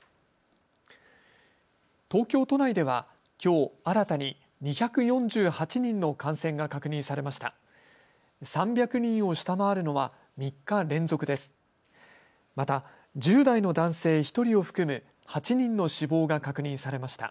東京都内ではきょう、新たに２４８人の感染が確認されました。